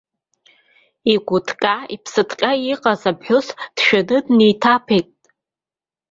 Игәыҭҟьаԥсыҭҟьаха иҟаз аԥҳәыс дшәаны днеиҭаԥеит.